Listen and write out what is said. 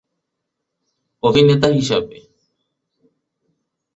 অভিনেতা হিসাবে